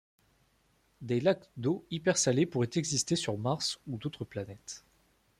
Des lacs d'eau hypersalée pourraient exister sur Mars ou d'autres planètes.